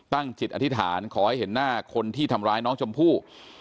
ตั้งจิตอธิษฐานขอให้เห็นหน้าคนที่ทำร้ายน้องชมพู่